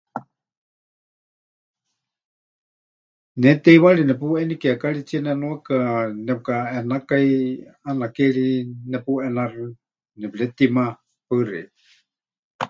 Ne teiwari nepuʼeni kiekaritsie nenuaka, nepɨkaʼenakai, ʼaana ke ri nepuʼenaxɨ, nepɨretimá. Paɨ xeikɨ́a.